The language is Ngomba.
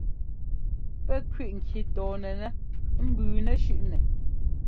Pɛ́ kwiʼ ŋki tɔɔnɛnɛ́ ɛ́mbʉʉnɛ́ shʉ́ʼnɛ.